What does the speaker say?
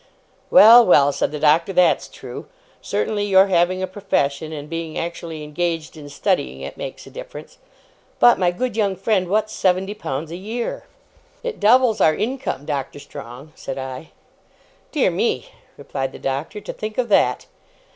'Well, well,' said the Doctor, 'that's true. Certainly, your having a profession, and being actually engaged in studying it, makes a difference. But, my good young friend, what's seventy pounds a year?' 'It doubles our income, Doctor Strong,' said I. 'Dear me!' replied the Doctor. 'To think of that!